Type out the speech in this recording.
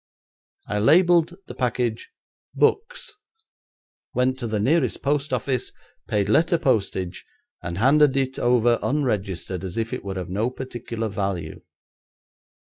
I labelled the package "Books", went to the nearest post office, paid letter postage, and handed it over unregistered as if it were of no particular value.